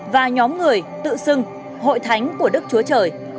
và nhóm người tự xưng hội thánh của đức chúa trời